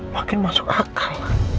makin masuk akal